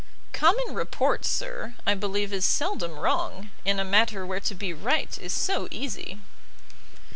"Common report, sir, I believe is seldom wrong in a matter where to be right is so easy."